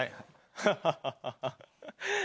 アハハハ！